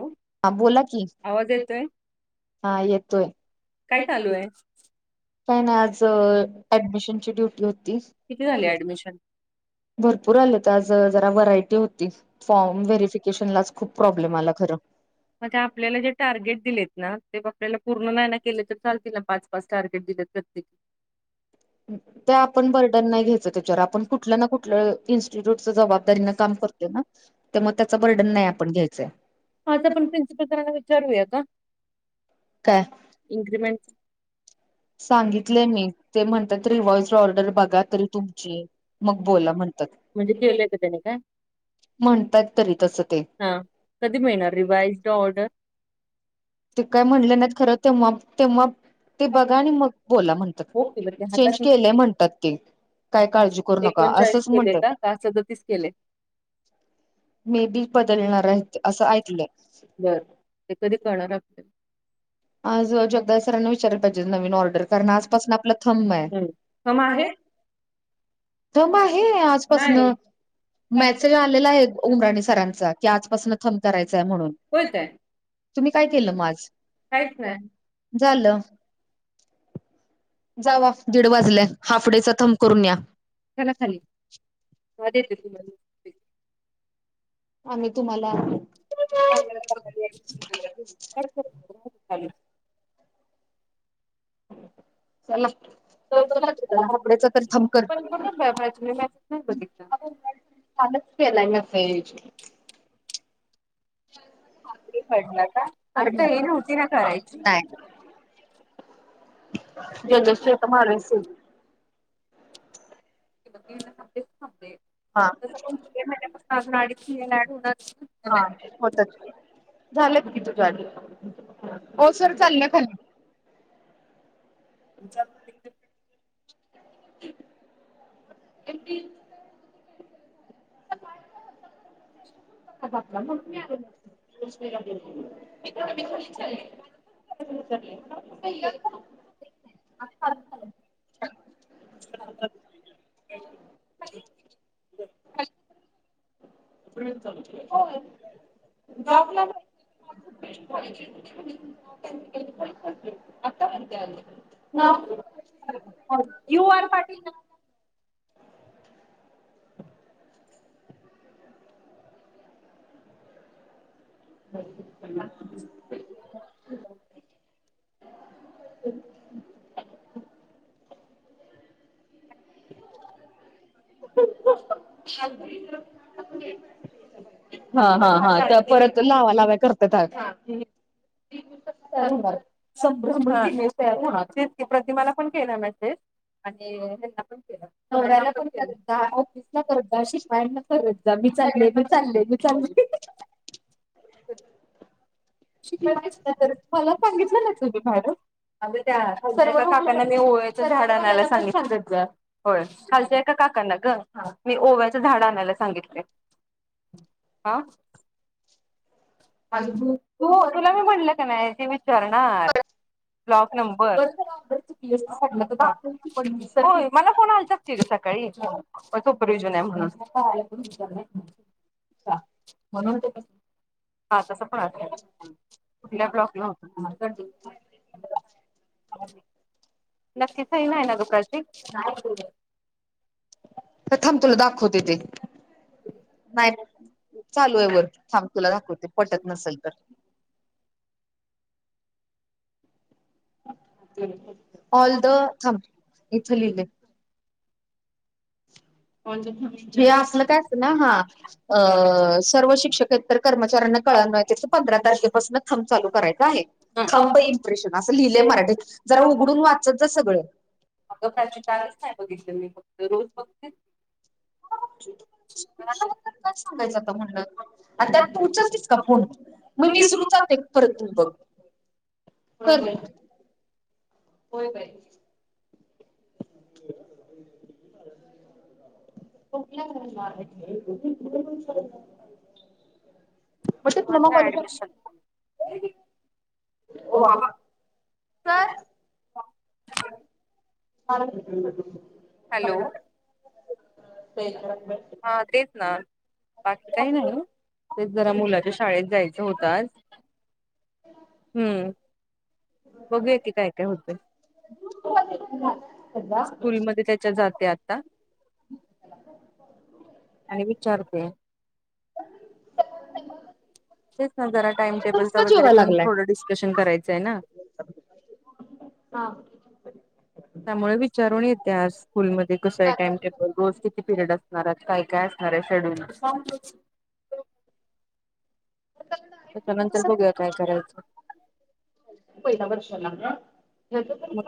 Hello हा बोला की आवाज येतोय हा येतोय काय चाललंय? [inaudible] काय नाही आज ऍडमिशनची ड्युटी होती. किती झाले ऍडमिशन? भरपूर आलेत आज जरा व्हरायटी होती. फॉर्म व्हेरिफिकेशनलाच खूप प्रॉब्लेम आला खरं. म्हणजे आपल्याला जे टार्गेट दिलेत ना ते आपल्याला पूर्ण नाही ना केले तर चालतील ना पाच पाच टार्गेट दिलेत प्रत्येकी ते हा. आपण बर्डन नाही घ्यायचं त्याच्यावर आपण कुठलं ना कुठलं इन्स्टिट्यूटच जबाबदारीने काम करतोय ना मग त्याच बर्डन नाही आपण घ्यायचंय. आज आपण प्रिन्सिपल सरांना विचारूया का? काय? इन्क्रीमेंट सांगित लय मी, ते ते म्हणतात रिवाइज्ड ऑर्डर बघा. तरी तुमची मग बोला म्हणतात. ते केलंय का त्यांनी काय? म्हणताात तरी तसं ते. हा कधी मिळणार रिवाइज्ड ऑर्डर? ते काय म्हणले नाहीत खरं तेव्हा तेव्हा ते बघा आणि मग बोला म्हणतात ओके बरं ते चेंज हातात केलेय म्हणतात ते. काय काळजी करू नका एकोणचाळीस असंच केले म्हणतात. का का सदतीस केले? मे बी बदलणार आहेत असं बर ऐकलंय! ते कधी कळणार आपल्या आज जगदाळे सरांना विचारला पाहिजे नवीन ऑर्डर कारण आजपासून आपला थम आहे. फॉर्म आहे थम आहे आजपासन मॅसेज नाही आलेला आहे उमरांडे सरांचा! की होय आजपासून थम करायचंय म्हणून. काय? तुम्ही काय केलं म आज, काहीच नाही. झाल? जावा दीड वाजल्या हाफ डे चा थम करून या! चला खालीे तवा देते आम्ही तुम्हाला खाली चला! लवकर लागतं त्याला हाफ डे चा तर थम कर. पण कुठे मी मेसेज नाही बघितला. कालच केलाय मी. [inaudible] हाफ डे पडला का? आता हे नव्हती ना करायची? जजश तसं ची आता मारलं सर! दीड ला थांबतय, हा तस पण आता जुलै महिन्या पासन हा होतच झालंत की तुझ्या, ओ सर चाललीया खाली. [inaudible] [inaudible] [inaudible] म्हणून मी आलो नाही. [inaudible] आता चालू झालय. [unintelligible] झालं. हो जॉबला. [unintelligible] You R Patil. [unintelligible] [unintelligible] [unintelligible] हा हा हा. त्या परत लावा लाव्या करताता. चालेल बर [unintelligible] प्रतिमाला पण केला मेसेज आणि हेना पण केला. [unintelligible] आॅफिस ला करत जा. शिपायांना करत जा, मी चाले मी चाले मी चाले. शिकायचंच ना तर, मला सांगितलं नाही तुम्ही मॅडम. अगं त्या [unintelligible] काकांना मी ओवेच झाड आणायला सांगितलं गं. होय, खालच्या ऐका काकांना गं मी ओव्याचं झाड आणायला सांगितलंय. हा. तु, तुला मी म्हणलं कणी की विचारणार. Block number. होय, मला फोन आलता [unintelligible] [unintelligible] सुपरव्हिजन [unintelligible] [unintelligible] म्हणून ते तस. हा तस पण, आ कुठल्या ब्लॉकला होत. नक्कीच [unintelligible] तर थांब तुला दाखवते ते, नाही. चालू आहे वर्क थांब, तुला दाखवते पटत नसेल तर, ऑल द थांब इथ लिहले. हे आसलं काय तर ना हा, अ सर्व शिक्षकेतर तर कर्मचाऱ्यांना, कळवण्यात येत. पंधरा तारखेपासून थम चालू करायचं आहे. थंब इम्प्रेशन असं लिहिले मराठीत, जरा उघडून वाचत जा सगळं. अगं प्राची कालच नाही बघितले, मी‌ फक्त रोज बगते. तर काय सांगायचं म्हणलं, त्यात तुमचाच नुसता फोन. मग मी वीस विसरू जाते परत‌ बघ, रुपयात तर म्हणलं होय बाई. [unintelligible] [unintelligible] ऍडमिशन ओ बाबा [unintelligible] सर [unintelligible] हॅलो. तेच [unintelligible] हा तेच ना, बाकी काय नाही ओ, तेच जरा मुलाच्या शाळेत जायचं होत आज. हम्म. बघू या की काय काय होते. [unintelligible] स्कूलमध्ये त्यांच्या जात्यात. [unintelligible] आणि विचारते. [unintelligible] तेच ना, जरा टाइमटेबलच वगैरे जेवाय पण थोडं डिस्कशन करायचंय ना. हा. त्यामुळे विचारून येते आज, स्कूलमध्ये कसाय टाईमटेबल. रोज किती पिरियड असणार काय काय असणार आहे शेड्यूल.... त्यांच्या भेटत नंतर बघूया काय करायचं... पहिला वर्षाला... मग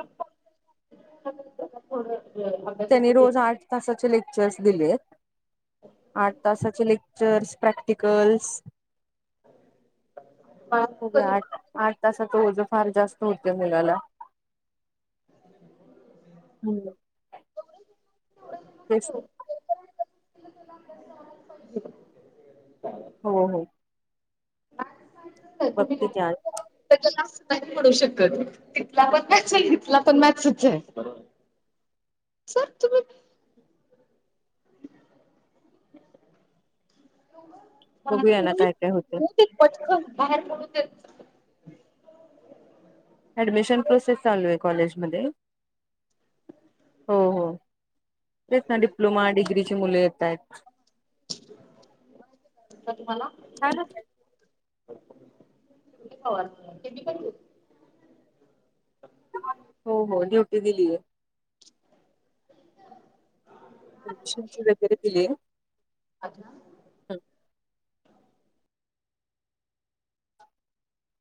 [unintelligible] त्यांनी रोज आठ तासाचे लेक्चर्स दिले आहेत.... आठ तासाचे लेक्चर्स प्रॅक्टिकल्स.... हा... हो आठ आठ तासात ओझ फार जास्त होत मुलाला.... हम्.... बस.... पाहिजे.... हो हो... बघते की आज [unintelligible] ला नाही पडू शकत तिथला पण मॅथस आहे तिथला पण मॅथ्सच आहे.... सर तुम्ही.... बघूया ना काय काय होतंय [unintelligible] ऍडमिशन प्रोसेस चालू आहे कॉलेजमध्ये.... हो हो तेच ना डिप्लोमा डिग्रीची मुलं येत आहेत.... का तुम्हाला? [unintelligible] हो हो ड्युटी दिलीय... नश वगैरे दिले... [unintelligible] या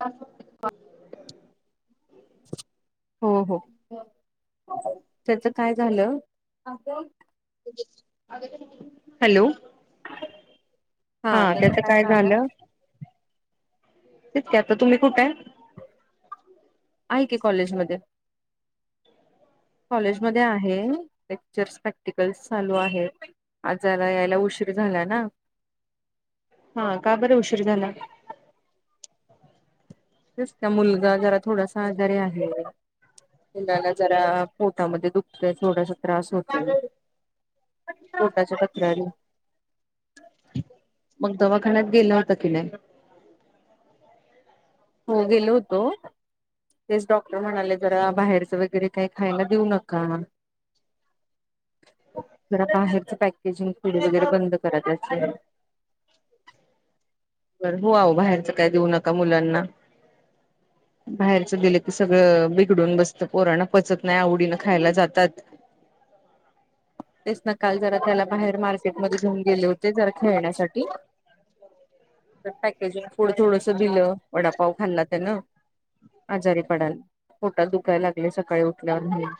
अस हो हो त्याच काय झाले? हॅलो... हा त्याच काय झालं? आ तुम्ही कुठे आहे? आहे की कॉलेजमध्ये.... कॉलेज मध्ये आहे लेक्चर्स प्रॅक्टिकल्स चालू आहेत.... आजला यायला उशीर झाला ना..... हा का बरं उशीर झाला.... मुलगा जरा थोडासा जरे आहे मुलाला जरा पोटामध्ये दुखतय थोडासा त्रास होतो पोटाच्या तक्रारी मग दवाखान्यात गेला होता कि नाही.... हो गेलो होतो... तेच डॉक्टर म्हणाले, जरा बाहेरचं वगैरे काही खायला देऊ नका.... जरा बाहेरच पॅकेजिंग पुढ वगैरे बंद कराच असेल... बर हो आ बाहेरचं काय देऊ नका मुलांना.... [unintelligible] बाहेरचं दिलं तर सगळं बिघडून बसतं पोराना पचत नाही आवडीनं खायला जातात.... तेच न काल जरा त्याला बाहेर मार्केटमध्ये घेऊन गेले होते जरा खेळण्यासाठी.... पॅकेजिंग फूड थोडस दिलं वडापाव खाल्ला त्यान... आजारी पडाल पोटात दुखायला लागले सकाळी उठल्या म्ह...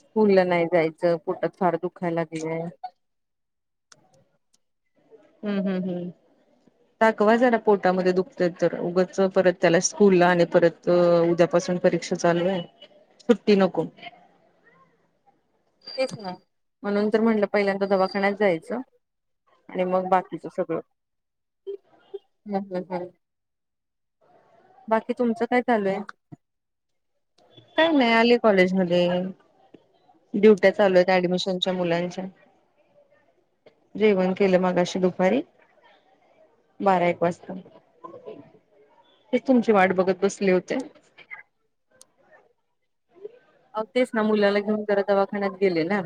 स्कुलला नाही जायचं पोटात फार दुखायला लागलय... हम्म हम् हम..... दाखवा जरा पोटामध्ये दुखत तर उगच परत त्याला स्कूलला आणि परत.... तर उद्यापासून परीक्षा चालू आहे सुट्टी नको.... एक ना म्हणून तर म्हटलं पहिल्यांदा दवाखान्यात जायचं... आणि मग बाकीच सगळं हम्म....... बाकी तुमचं काय चालूय का नाही अली कॉलेज मध्ये ड्युट्या चालू आहेत ऍडमिशनच्या मुलांच्या जेवण केलं मागाशी दुपारी बारा एक वाजता ते तुमची वाट बघत बसली होते अ तेच ना मुलाला घेऊन जरा दवाखान्यात गेले ना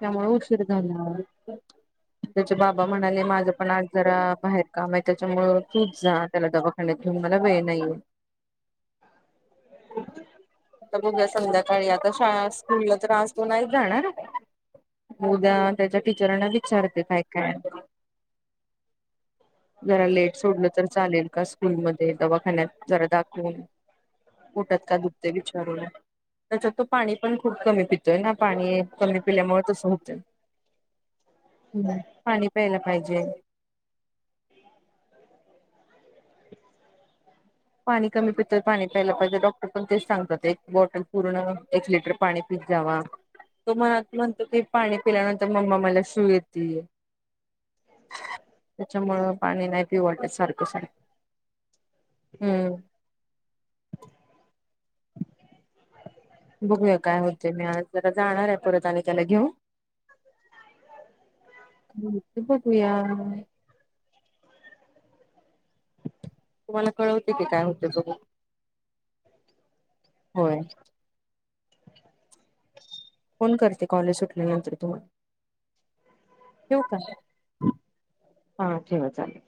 त्यामुळे उशीर झाला त्याचे बाबा म्हणाले माझ पण आज जरा बाहेर काम आहे त्याच्यामुळ तूप जा त्याला दवाखानण्यात घेऊन मला वेळ नाहीये ह आता बघ्या संध्याकाळी आता शाळा स्कूलला तर्रस नाही जाणार उद्या त्याच्या टीचरांना विचारते काय काय जरा लेट सोडलं तर चालेल का स्कूलमध्ये दवाखान्यात जरा दाखवून उठत का गुपते विचारू त्याच्यात तो पाणी पण खूप कमी प पाणी कमी पिल्यामुळे तस होत पाणी प्याला पाहिजे पाणी कमी पित पाणी प्यायला पाहिजे डॉक्टर पण तेच सांगतात एक बॉटल पूर्ण एक लिटर पाणी जावा तो मला म्हणतो की पाणी पिल्यानंतर मम्मा मला शू येते त्याच्यामुळ पाणी नाही पिवट सारखं सारखं हम्म बघूया काय होते मी जरा जाणार आहे परत आणि त्याला घेऊन पपया तुम्हाला कळवते की काय होते बघू होय फोन करते कॉलेज सुठल्यानंतर तुम्हाला ठेऊ का हा ठेव चालेल